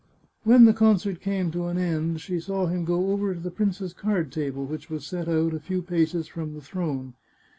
When the concert came to an end, she saw him go over to the prince's card table, which was set out a few paces from the throne.